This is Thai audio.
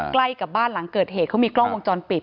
ใกล้กับบ้านหลังเกิดเหตุเขามีกล้องวงจรปิด